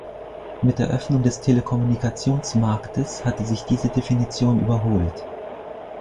Mit der Öffnung des Telekommunikationsmarktes hatte sich diese Definition überholt.